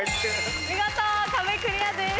見事壁クリアです。